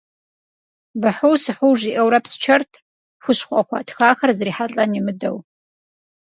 Быхьу-сыхьу жиӏэурэ псчэрт, хущхъуэ хуатхахэр зрихьэлӏэн имыдэу.